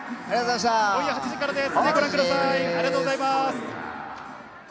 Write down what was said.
今夜８時からです。